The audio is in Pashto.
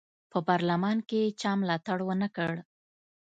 په پارلمان کې یې چا ملاتړ ونه کړ.